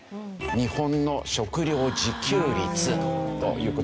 日本の食料自給率という事。